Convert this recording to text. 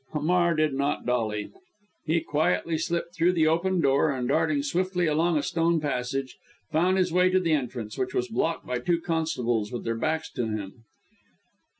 Hamar did not dally. He quietly slipped through the open door, and darting swiftly along a stone passage, found his way to the entrance, which was blocked by two constables with their backs to him.